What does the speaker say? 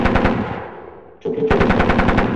চোখে চলে যাই।